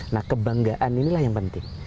nah kebanggaan inilah yang penting